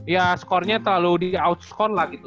ya skornya terlalu di outscount lah gitu